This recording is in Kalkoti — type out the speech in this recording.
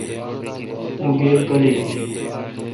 اں گیل کالیک این۔